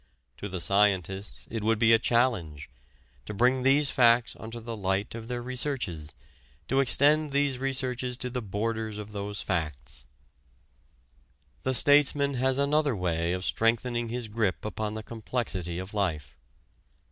To the scientists it would be a challenge to bring these facts under the light of their researches, to extend these researches to the borders of those facts. The statesman has another way of strengthening his grip upon the complexity of life.